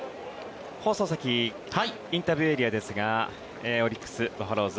放送席インタビューエリアですがオリックス・バファローズ